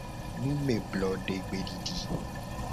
Numeblodegbedidi.